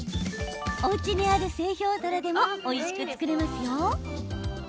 おうちにある製氷皿でもおいしく作れますよ。